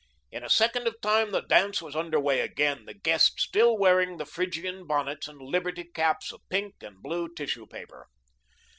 In a second of time the dance was under way again; the guests still wearing the Phrygian bonnets and liberty caps of pink and blue tissue paper.